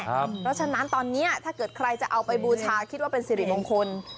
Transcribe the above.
เพราะฉะนั้นตอนนี้ถ้าเกิดใครจะเอาไปบูชาคิดว่าเป็นสิริมงคล